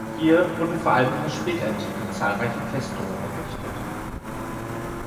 Hier wurden vor allem in der Spätantike zahlreiche Festungen errichtet.